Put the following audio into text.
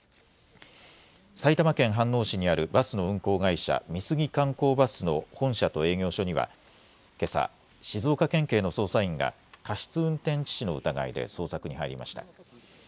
埼玉県飯能市にあるバスの運行会社、美杉観光バスの本社と営業所にはけさ、静岡県警の捜査員が過失運転致死の疑いで捜索に入りました。